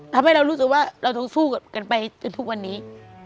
ทำให้เรารู้สึกว่าเราต้องสู้กันไปจนทุกวันนี้